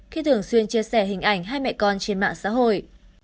khi thường xuyên chia sẻ hình ảnh hai mẹ con trên mạng xã hội